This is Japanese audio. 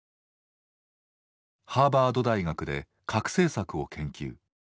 ハーバード大学で核政策を研究。